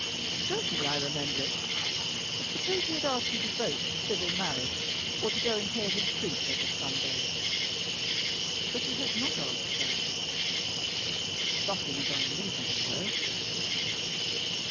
"Certainly I remember it. But suppose he had asked you to vote for civil marriage, or to go and hear him preach every Sunday?" "But he has not asked that." "Something as unreasonable, though."